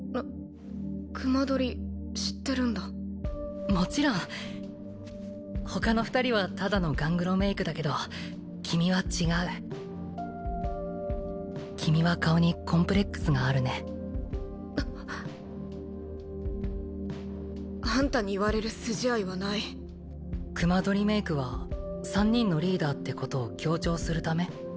隈取り知ってるんだもちろん他の二人はただのガングロメイクだけど君は違う君は顔にコンプレックスがあるねあんたに言われる筋合いはない隈取りメイクは３人のリーダーってことを強調するため？